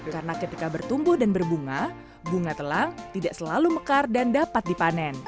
karena ketika bertumbuh dan berbunga bunga telang tidak selalu mekar dan dapat dipanen